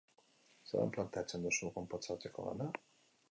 Zelan planteatzen duzu konposatzeko lana?